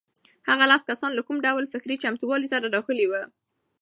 هغه لس کسان له کوم ډول فکري چمتووالي سره راغلي وو؟